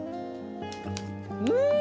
うん！